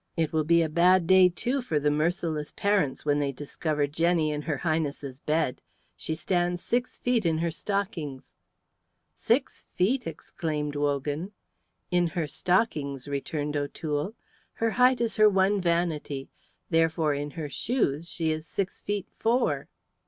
It will be a bad day, too, for the merciless parents when they discover Jenny in her Highness's bed. She stands six feet in her stockings." "Six feet!" exclaimed Wogan. "In her stockings," returned O'Toole. "Her height is her one vanity. Therefore in her shoes she is six feet four."